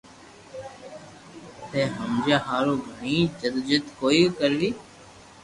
ني ھمجيا ھارون گڙي جدو جھد ڪوئي ڪروي